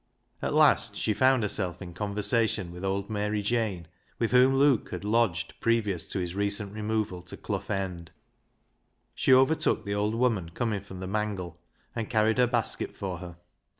At last she found herself in conversation with old Mary Jane, with whom Luke had lodged previous to his recent removal to Clough End. She overtook the old woman coming from the mangle, and carried her basket for her.